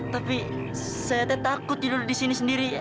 tapi saya takut tidur disini sendiri